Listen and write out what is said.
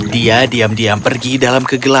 dia diam diam pergi dalam kegelapan